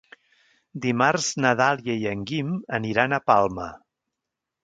Dimarts na Dàlia i en Guim aniran a Palma.